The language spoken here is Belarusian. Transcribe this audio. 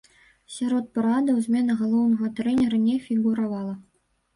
Сярод парадаў змена галоўнага трэнера не фігуравала.